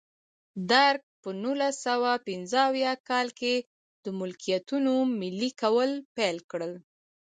درګ په نولس سوه پنځه اویا کال کې د ملکیتونو ملي کول پیل کړل.